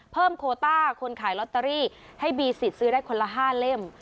เพิ่มโคต้าคนขายลอตเตอรี่ให้มีสิทธิ์ซื้อได้คนละ๕เล่ม